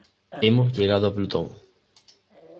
Hemos llegado a Plutón.